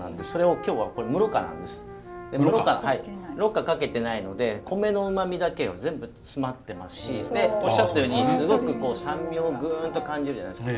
濾過かけてないので米のうまみだけを全部詰まってますしでおっしゃったようにすごく酸味をぐんと感じるじゃないですか。